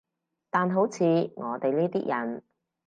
但好似我哋呢啲人